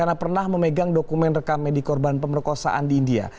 alexander pernah memegang dokumen rekamnya di korban pemerkosaan di india